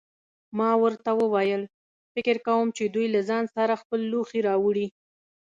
ما ورته وویل: فکر کوم چې دوی له ځان سره خپل لوښي راوړي.